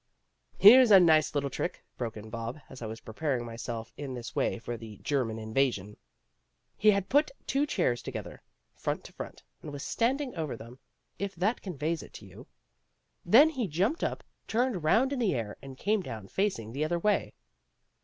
"Here's a nice little trick," broke in Bob, as I was preparing myself in this way for the German invasion. He had put two chairs together, front to front, and was standing over them, if that conveys it to you. Then he jumped up, turned round in the air, and came down facing the other way.